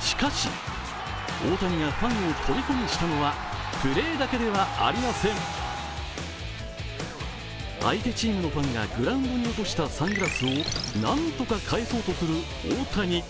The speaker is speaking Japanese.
しかし、大谷がファンをとりこにしたのは、プレーだけではありません相手チームのファンがグラウンドに落としたサングラスを何とか返そうとする大谷。